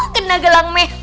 kena gelang meh